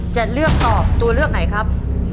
กะโหลกนะครับ